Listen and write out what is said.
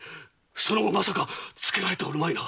その方まさかつけられてはおるまいな？